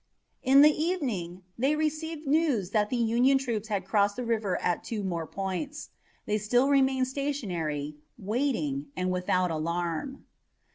In the evening they received news that the Union troops had crossed the river at two more points. They still remained stationary, waiting, and without alarm.